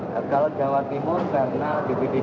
kalau jawa timur karena bdm dua